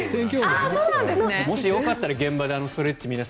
もしよかったら現場で皆さんストレッチを。